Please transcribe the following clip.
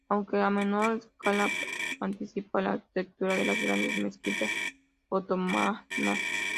Aunque a menor escala, anticipa la arquitectura de las grandes mezquitas otomanas.